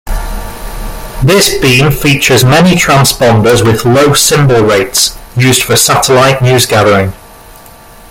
This beam features many transponders with low symbol rates, used for satellite news gathering.